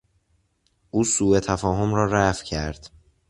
او سو تفاهم را رفع کرد.